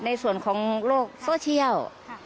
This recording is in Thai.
ในส่วนของโลกโซเชียล